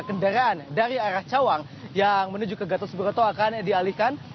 kendaraan dari arah cawang yang menuju ke gatot subroto akan dialihkan